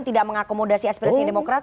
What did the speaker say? tidak mengakomodasi aspirasi demokrat